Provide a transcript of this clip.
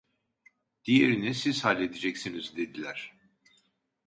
Diğerini siz halledeceksiniz dediler